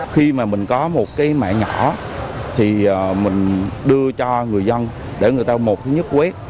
khi mà mình có một cái mã nhỏ thì mình đưa cho người dân để người ta một cái nhấc quét